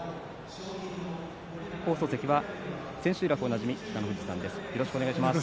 放送席は千秋楽おなじみ北の富士さんです。